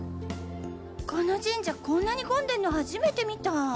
この神社こんなに混んでるの初めて見た！